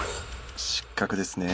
失格ですね。